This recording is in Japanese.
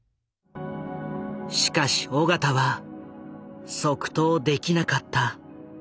しかし緒方は即答できなかった。